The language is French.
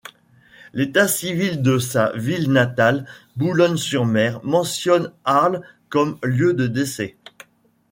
L'état-civil de sa ville natale, Boulogne-sur-Mer, mentionne Arles comme lieu de décès.